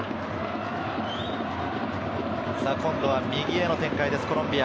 今度は右への展開ですコロンビア。